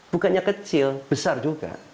bukannya kecil besar juga